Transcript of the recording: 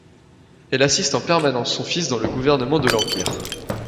Elle assiste en permanence son fils dans le gouvernement de l'empire.